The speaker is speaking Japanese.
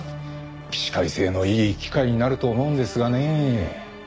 起死回生のいい機会になると思うんですがねえ。